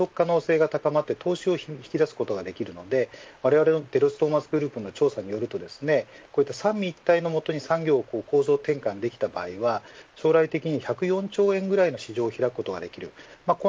これによって民間の企業にとっては予測可能性が高まって投資を引き出すことができるのでわれわれのデロイトトーマツグループの調査によると三位一体のもとに産業を構造展開できた場合は将来的に１０４兆円くらいの市場を開くことができる。